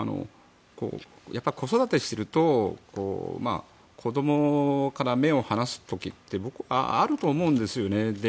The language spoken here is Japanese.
子育てをしていると子どもから目を離す時ってあると思うんですよね。